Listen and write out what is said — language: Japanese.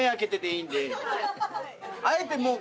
あえてもう。